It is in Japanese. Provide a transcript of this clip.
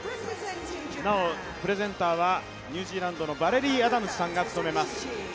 プレゼンターはニュージーランドのバレリー・アダムスさんが務めます